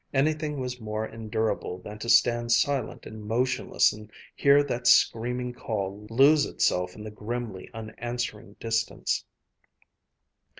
Anything was more endurable than to stand silent and motionless and hear that screaming call lose itself in the grimly unanswering distance.